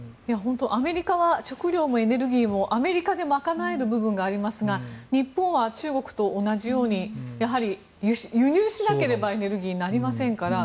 アメリカはエネルギーも食料もアメリカで賄える部分がありますが日本は中国と同じように輸入しなければエネルギー、なりませんから。